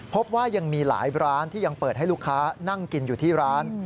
พบว่ายังมีหลายร้านที่ยังเปิดให้ลูกค้านั่งกินอยู่ที่ร้าน